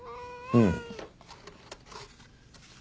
うん。